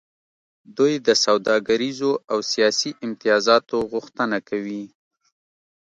دوی د سوداګریزو او سیاسي امتیازاتو غوښتنه کوي